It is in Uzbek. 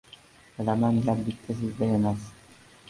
— Bilaman, gap bitta sizda emas.